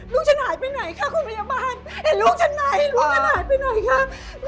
ลูกฉันหายไปไหนคะคุณพยาบาลเห็นลูกฉันไหนลูกฉันหายไปไหนคะ